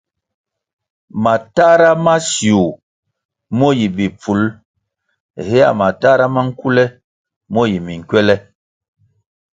Matahra ma siu mo yi bipful hea matahra ma nkule mo yi minkwele.